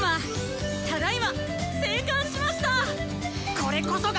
これこそが！